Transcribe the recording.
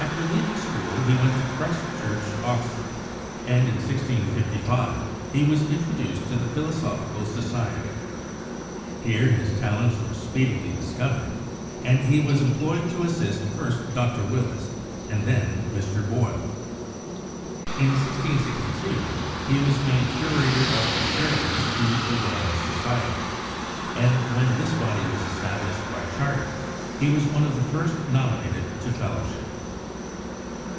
After leaving school he went to Christ Church, Oxford, and, in 1655, he was introduced to the Philosophical Society. Here his talents were speed ily discovered and he was employed to assist first Dr. Willis and then Mr. Boyle. In 1662 he was made curator, of experiments to the Royal Society, and when this body was established by charter he was one of the first nom inated to fellowship.